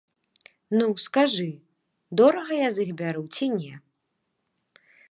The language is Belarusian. Ну, скажы, дорага я з іх бяру ці не?